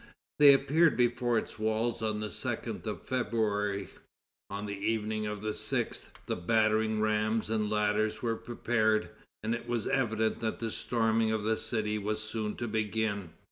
They appeared before its walls on the 2d of February. On the evening of the 6th the battering rams and ladders were prepared, and it was evident that the storming of the city was soon to begin.